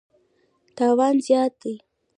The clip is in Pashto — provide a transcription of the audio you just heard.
تاوان زیان دی.